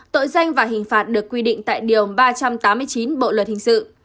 tội danh và hình phạt được quy định tại điều ba trăm tám mươi chín bộ luật hình sự